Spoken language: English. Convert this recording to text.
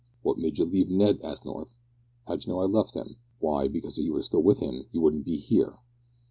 "What made you leave Ned?" asked North. "How did you know I'd left him?" "Why, because if you was still with him you wouldn't be here!"